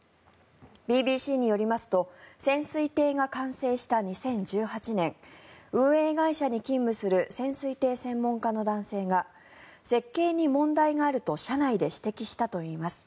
ＢＢＣによりますと潜水艇が完成した２０１８年運営会社に勤務する潜水艇専門家の男性が設計に問題があると社内で指摘したといいます。